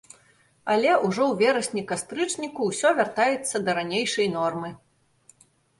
Але ўжо ў верасні-кастрычніку ўсё вяртаецца да ранейшай нормы.